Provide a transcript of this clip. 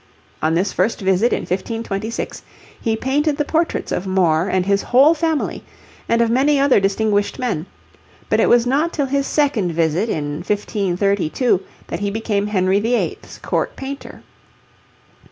On this first visit in 1526, he painted the portraits of More and his whole family, and of many other distinguished men; but it was not till his second visit in 1532 that he became Henry VIII.'s court painter.